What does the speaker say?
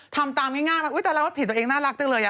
ทำตามง่ายแล้วแต่เราเห็นตัวเองน่ารักตั้งเลย